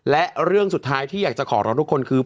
และเรื่องสุดท้ายที่อยากจะขอร้องทุกคนคือ